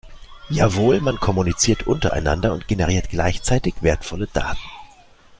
Jawohl, man kommuniziert untereinander und generiert gleichzeitig wertvolle Daten.